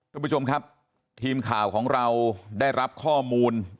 คุณผู้ชมครับทีมข่าวของเราได้รับข้อมูล